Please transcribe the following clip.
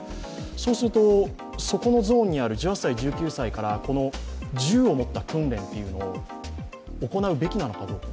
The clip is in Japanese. そうすると、そこのゾーンにある１８歳、１９歳からこの銃を持った訓練というのを行うべきなのかどうか。